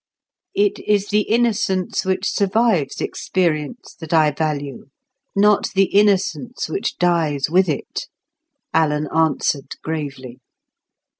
"It is the innocence which survives experience that I value, not the innocence which dies with it," Alan answered gravely.